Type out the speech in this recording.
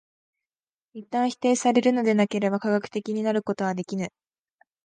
一旦否定されるのでなければ科学的になることはできぬ。